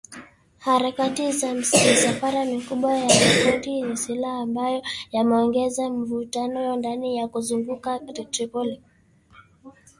Harakati za misafara mikubwa ya makundi yenye silaha ambayo yameongeza mvutano ndani na kuzunguka Tripoli